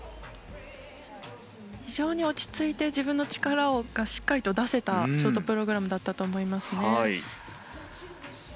非常に落ち着いて自分の力をしっかりと出せたショートプログラムだったと思います。